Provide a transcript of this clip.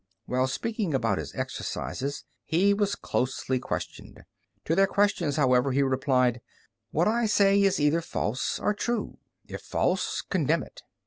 While speaking about his Exercises, he was closely questioned. To their questions, however, he replied, "What I say is either false or true; if false, condemn it."